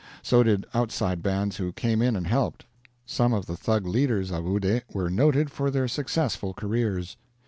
So did outside bands who came in and helped. Some of the Thug leaders of Oude were noted for their successful careers.